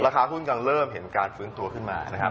ค้าหุ้นกำลังเริ่มเห็นการฟื้นตัวขึ้นมานะครับ